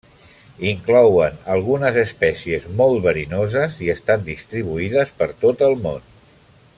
Inclouen algunes espècies molt verinoses i estan distribuïdes per tot el món.